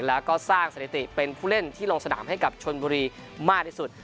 แล้วก็สร้างสถิติเป็นผู้เล่นที่ลงสนามให้กับชนบุรีมากที่สุด